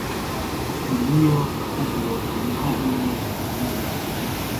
ulio mkubwa kuliko ule wa kijiji.